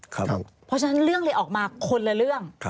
เพราะฉะนั้นเรื่องเลยออกมาคนละเรื่อง